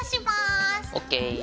ＯＫ。